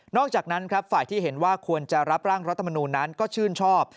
อกจากนั้นครับฝ่ายที่เห็นว่าควรจะรับร่างรัฐมนูลนั้นก็ชื่นชอบ